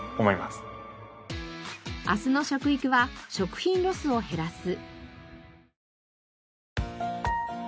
明日の食育は食品ロスを減らす。